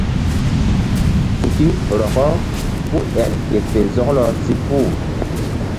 Suki rɔkɔ ku el ke fe zɔklɔ si puh.